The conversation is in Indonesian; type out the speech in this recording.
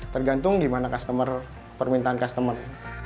tergantung gimana permintaan customer